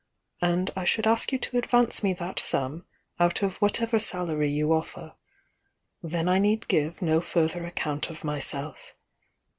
And I should ask you to advance me that sum out of whatever salary you offer. Then I need give no further account of myself.